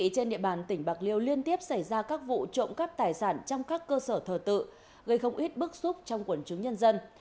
trên địa bàn tỉnh bạc liêu liên tiếp xảy ra các vụ trộm cắp tài sản trong các cơ sở thờ tự gây không ít bức xúc trong quần chúng nhân dân